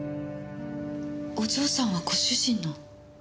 お嬢さんはご主人の。